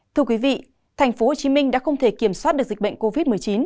thưa quý vị thành phố hồ chí minh đã không thể kiểm soát được dịch bệnh covid một mươi chín